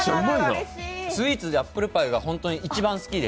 スイーツでアップルパイが本当に一番好きで。